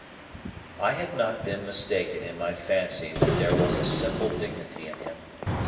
I had not been mistaken in my fancy that there was a simple dignity in him.